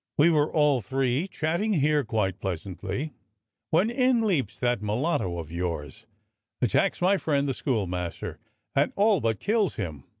We were all three chatting here quite pleasantly, when in leaps that mulatto of yours, attacks my friend the schoolmaster and all but kills him.